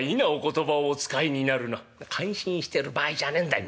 「感心してる場合じゃねえんだよ。